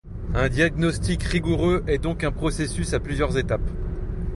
Un diagnostic rigoureux est donc un processus à plusieurs étapes.